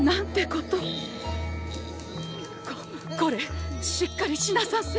ここれしっかりしなさんせ！